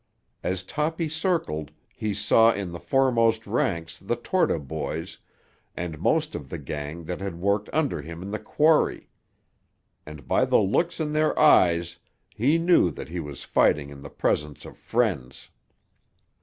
As Toppy circled he saw in the foremost ranks the Torta boys and most of the gang that had worked under him in the quarry; and by the looks in their eyes he knew that he was fighting in the presence of friends.